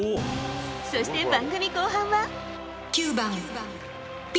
そして、番組後半は。